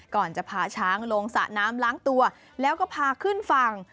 ก่อนจะพาช้างลงสระน้ำล้างตัวแล้วก็พาขึ้นฝั่ง